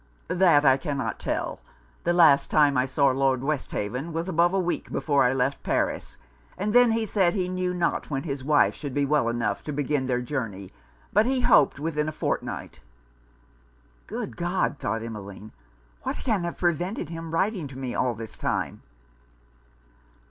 'That I cannot tell. The last time I saw Lord Westhaven was above a week before I left Paris; and then he said he knew not when his wife would be well enough to begin their journey, but he hoped within a fortnight.' 'Good God!' thought Emmeline, 'what can have prevented his writing to me all this time?'